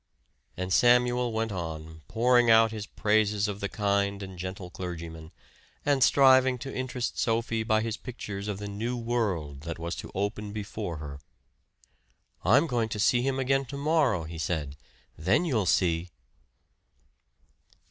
And Samuel went on, pouring out his praises of the kind and gentle clergyman, and striving to interest Sophie by his pictures of the new world that was to open before her. "I'm going to see him again to morrow," he said. "Then you'll see."